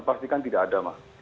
pastikan tidak ada mas